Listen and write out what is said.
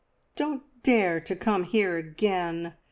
"Don't dare to come here again!"